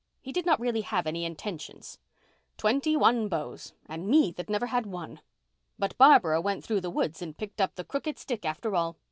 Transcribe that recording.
He did not really have any intentions. Twenty one beaus—and me that never had one! But Barbara went through the woods and picked up the crooked stick after all.